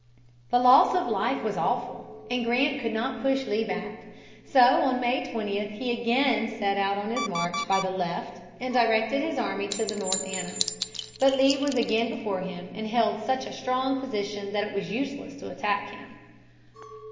The loss of life was awful, and Grant could not push Lee back. So on May 20 he again set out on his march by the left and directed his army to the North Anna. But Lee was again before him and held such a strong position that it was useless to attack him.